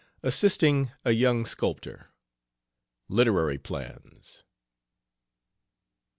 ASSISTING A YOUNG SCULPTOR. LITERARY PLANS.